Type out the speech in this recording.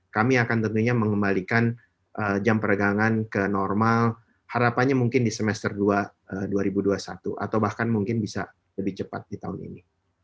kami akan tentunya mengembalikan jam peregangan ke normal harapannya mungkin di semester dua ribu dua puluh satu atau bahkan mungkin bisa lebih cepat di tahun ini